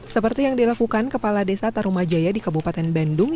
seperti yang dilakukan kepala desa tarumajaya di kabupaten bandung